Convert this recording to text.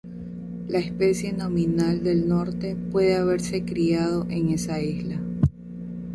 La especie nominal del norte puede haberse criado en esa isla.